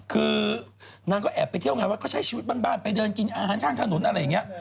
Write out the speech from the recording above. คือนางก็แอบไปเที่ยวงานวัดเขาใช้ชีวิตบ้านไปเดินกินอาหารข้างถนนอะไรอย่างนี้